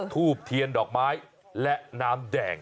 ทูบเทียนดอกไม้และน้ำแดง